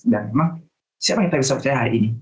dan memang siapa yang kita bisa percaya hari ini